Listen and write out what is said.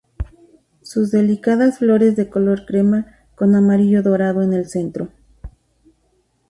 Sus delicadas flores de color crema, con amarillo dorado en el centro.